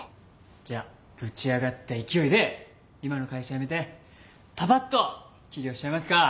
じゃぶち上がった勢いで今の会社辞めてパパッと起業しちゃいますか！